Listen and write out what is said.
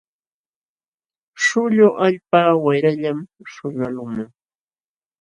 Śhllqa allpa wayrallam śhullwaqlunman.